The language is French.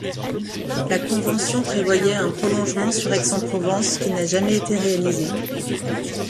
La convention prévoyait un prolongement sur Aix-en-Provence qui n'a jamais été réalisé.